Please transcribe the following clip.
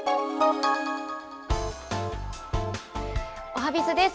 おはＢｉｚです。